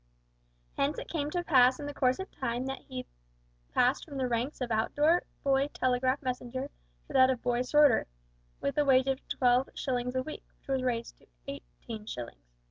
Hence it came to pass in the course of time that he passed from the ranks of Out door Boy Telegraph Messenger to that of Boy Sorter, with a wage of twelve shillings a week, which was raised to eighteen shillings.